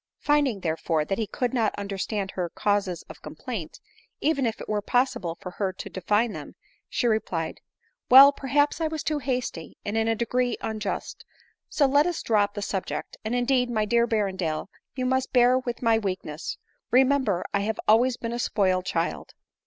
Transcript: Finding, therefore, that he could not understand her causes of complaint, even if it were possible for her to define them, she replied, " Well, perhaps I was too hasty, and in a degree unjust ; so let us drop the subject ; and, indeed, my dear Berrendale, you must bear with my weakness : remember, I have always been a spoiled child."